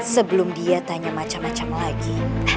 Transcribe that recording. sebelum dia tanya macam macam lagi